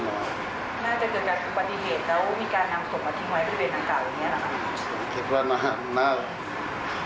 น่าจะเกิดจากปฏิเกตและมีการนำส่งมาทิ้งไว้